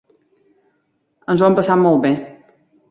Ens ho hem passat molt bé.